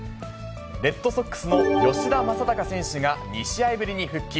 レッドソックスの吉田正尚選手が２試合ぶりに復帰。